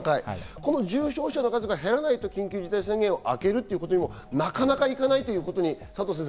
この重症者の数が減らないと緊急事態宣言が明けるということもなかなかいかないということになりますね、佐藤先生。